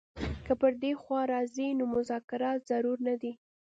که پر دې خوا راځي نو مذاکرات ضرور نه دي.